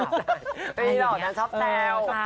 ไม่ได้หรอกนะชอบแท้ว